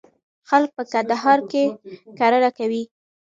خلک په کندهار کي کرنه کوي.